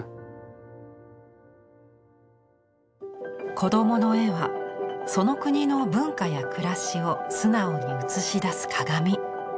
子どもの絵はその国の文化や暮らしを素直に映し出す鏡。